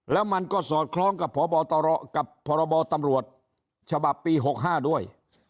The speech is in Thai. และมันก็สอดคล้องกับพตกับพตฉบับปี๖๕ด้วย